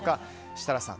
設楽さん